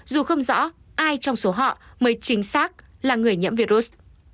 dù không rõ ai trong số họ mới chính xác là người nhiễm virus